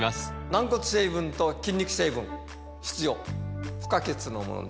軟骨成分と筋肉成分必要不可欠のものです